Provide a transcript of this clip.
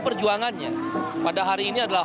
perjuangannya pada hari ini adalah